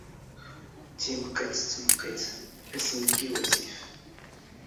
ⵜⵉⵎⵇⵇⵉⵜ ⵙ ⵜⵎⵇⵇⵉⵜ ⴰ ⵙ ⵉⵏⴳⴳⵉ ⵡⴰⵙⵉⴼ